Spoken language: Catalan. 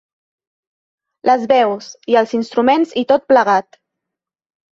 Les veus i els instruments i tot plegat.